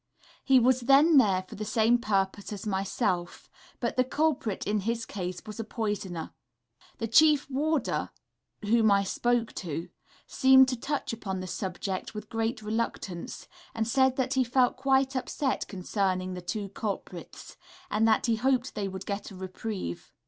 He was then there for the same purpose as myself, but the culprit in his case was a poisoner. The chief warder, whom I spoke to, seemed to touch upon the subject with great reluctance, and said that he felt quite upset concerning the two culprits, and that he hoped they would get a reprieve.